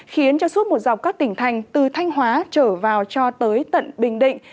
khiến cho suốt một dọc các tỉnh thành từ thanh hóa trở vào cho tới tận bình định